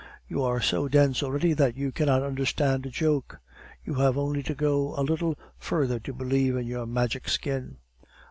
You are so dense already that you cannot understand a joke. You have only to go a little further to believe in your Magic Skin."